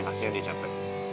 kasian dia capek